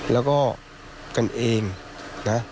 แล้วก็กันเองนะ